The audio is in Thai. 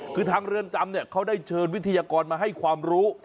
คือทางเรือนจำเนี่ยเขาได้เชิญวิทยากรมาให้ความรู้